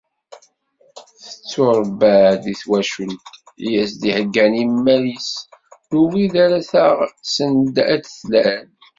Tetturebba-d deg twacult i as-d-iheyyan imal-is d ubrid ara taɣ send ad d-tlal.